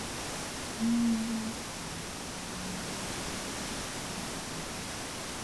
Omulangira ono Mutebi mu byafaayo bya Buganda byonna.